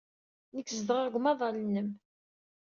Nekk zedɣeɣ deg umaḍal-nnem.